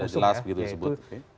ya sudah jelas gitu disebut